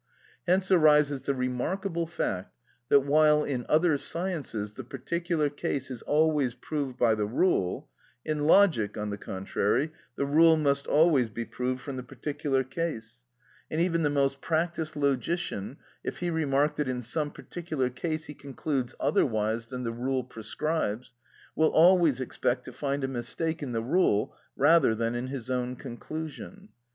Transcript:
Hence arises the remarkable fact, that while in other sciences the particular case is always proved by the rule, in logic, on the contrary, the rule must always be proved from the particular case; and even the most practised logician, if he remark that in some particular case he concludes otherwise than the rule prescribes, will always expect to find a mistake in the rule rather than in his own conclusion.